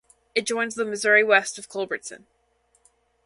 It joins the Missouri west of Culbertson.